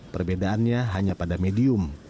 perbedaannya hanya pada medium